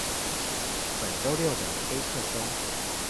本週六的黑客松